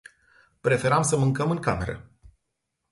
Preferam să mâncăm în cameră.